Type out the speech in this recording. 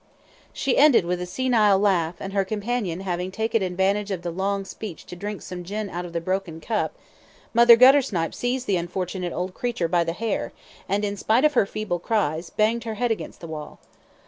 She ended with a senile laugh, and her companion having taken advantage of the long speech to drink some gin out of the broken cup, Mother Guttersnipe seized the unfortunate old creature by the hair, and in spite of her feeble cries, banged her head against the wall.